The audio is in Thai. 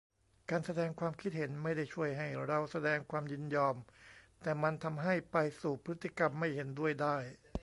การแสดงความคิดเห็นไม่ได้ช่วยให้เราแสดงความยินยอม แต่มันทำให้ไปสู่พฤติกรรมไม่เห็นด้วยได้